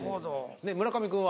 で村上君は？